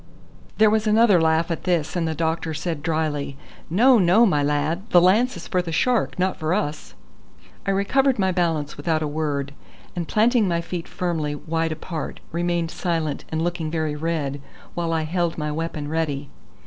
There was another laugh at this, and the doctor said drily: "No, no, my lad; the lance is for the shark, not for us." I recovered my balance without a word, and planting my feet firmly wide apart, remained silent and looking very red, while I held my weapon ready.